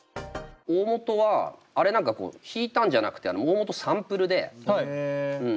大本はあれ何かこう弾いたんじゃなくて大本サンプルで。